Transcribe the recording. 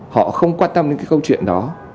họ không quan tâm đến cái câu chuyện đó